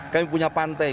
kami punya pantai